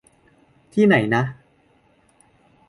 ที่ไหนนะ ?